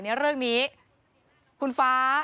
ในเรื่องนี้คุณฟ้า